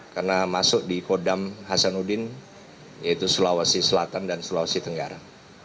karena masuk di kodam hasanuddin yaitu sulawesi selatan dan sulawesi tenggara